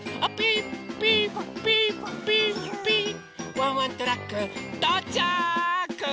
ワンワントラックとうちゃく！